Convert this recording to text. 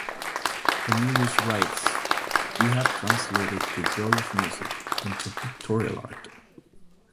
Cornelius writes, You have translated the joy of music into pictorial art.